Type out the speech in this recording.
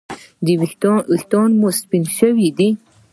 ایا ویښتان مو سپین شوي دي؟